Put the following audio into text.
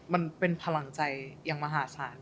มันเป็นพลังใจอย่างมหาศาล